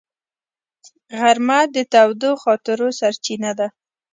غرمه د تودو خاطرو سرچینه ده